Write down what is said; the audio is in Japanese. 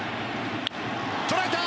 捉えた！